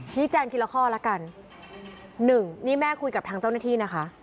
แจ้งทีละข้อละกันหนึ่งนี่แม่คุยกับทางเจ้าหน้าที่นะคะ